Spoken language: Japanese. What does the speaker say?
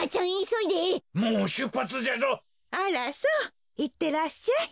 いってらっしゃい。